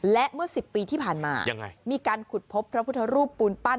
และเมื่อ๑๐ปีที่ผ่านมามีการขุดพบพระพุทธรูปปูนปั้น